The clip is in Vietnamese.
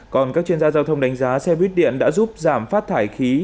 còn các chuyên gia giao thông đánh giá xe buýt điện đã giúp giảm phát thải khí